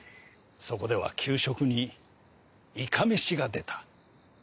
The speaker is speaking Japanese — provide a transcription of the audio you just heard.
そこでは給食にいかめしが出た。